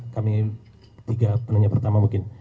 kami tiga penanya pertama mungkin